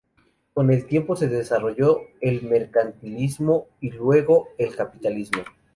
Con el tiempo se desarrolló el mercantilismo, y luego el capitalismo.